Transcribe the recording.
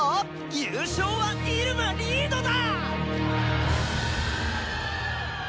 優勝はイルマリードだ！